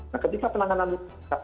nah ketika penanganan itu